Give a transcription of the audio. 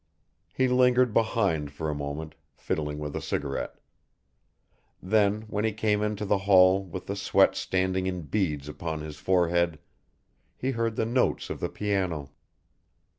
He lingered behind for a moment, fiddling with a cigarette. Then, when he came into the hall with the sweat standing in beads upon his forehead, he heard the notes of the piano.